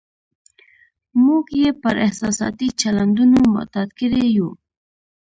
موږ یې پر احساساتي چلندونو معتاد کړي یو.